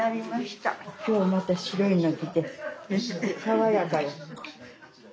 今日また白いの着て爽やかよ。